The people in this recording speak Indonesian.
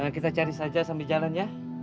kita cari saja sambil jalan ya